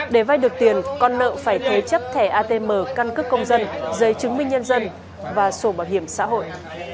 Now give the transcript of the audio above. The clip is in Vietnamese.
để vay được tiền con nợ phải thế chấp thẻ atm căn cức công dân giấy chứng minh nhân dân và sổ bảo hiểm xã hội